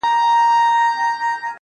چې د خپلې کوټې له چت نه را ځوړند و